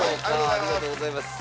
ありがとうございます。